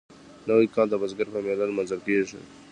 نوی کال د بزګر په میله لمانځل کیږي.